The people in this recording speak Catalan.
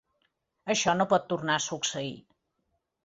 Això no pot tornar a succeir.